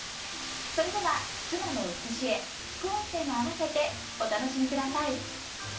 それでは「須磨の写絵」副音声もあわせてお楽しみください。